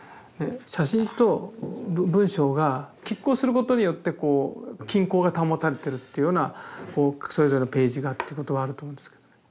写真と文章が拮抗することによってこう均衡が保たれてるっていうようなそれぞれのページがっていうことはあると思うんですけど。